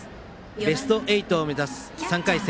ベスト８を目指す３回戦。